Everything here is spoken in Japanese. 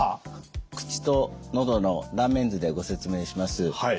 口と喉の断面図でご説明します。